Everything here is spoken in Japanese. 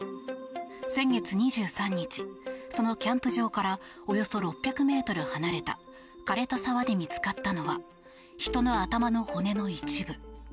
先月２３日、そのキャンプ場からおよそ６００ｍ離れた枯れた沢で見つかったのは人の頭の骨の一部。